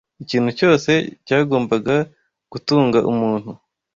Ikintu cyose cyagombaga gutunga umuntu